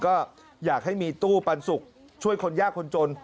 ก็อยากให้มีตู้ปันสุกช่วยคนยากคนจน